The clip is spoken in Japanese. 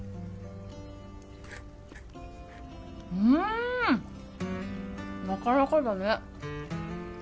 うんなかなかだね